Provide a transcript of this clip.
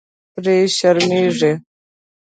پرې شرمېږي.